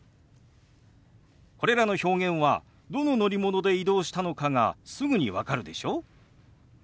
これらの表現はどの乗り物で移動したのかがすぐに分かるでしょ？